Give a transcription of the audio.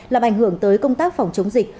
làm ảnh hưởng tới công tác phòng chống dịch